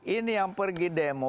ini yang pergi demo